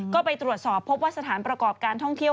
ก็ไปตรวจสอบพบว่าสถานประกอบการท่องเที่ยว